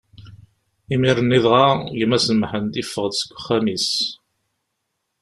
Imir-nni dɣa, gma-s n Mḥend yeffeɣ-d seg uxxam-is.